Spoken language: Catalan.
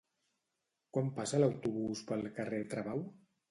Quan passa l'autobús pel carrer Travau?